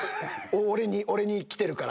俺に来てるから。